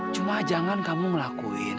cuma jangan kamu melakuin